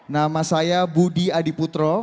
nama saya budi adiputro